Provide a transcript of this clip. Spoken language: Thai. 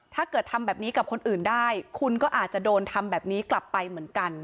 ถ้าเกิดทำแบบนี้กับคนอื่นได้คุณก็อาจจะโดนทำแบบนี้กลับไปเหมือนกัน